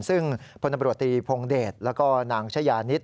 ซึ่งพนตำรวจตรีพงฎแล้วก็นางชญานิส